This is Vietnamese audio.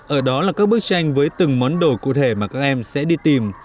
ở đó là các bức tranh với từng món đồ cụ thể mà các em sẽ đi tìm